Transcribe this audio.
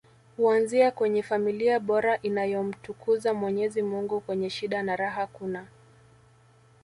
huanzia kwenye familia bora inayomtukuza mwenyezi mungu kwenye shida na raha kuna